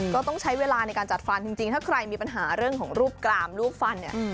ก็ต้องใช้เวลาในการจัดฟันจริงถ้าใครมีปัญหาเรื่องของรูปกรามรูปฟันเนี่ย